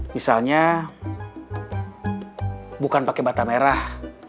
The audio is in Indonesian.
misalnya bukan pakai bata merah